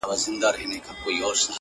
• په سرونو کي يې شوردی -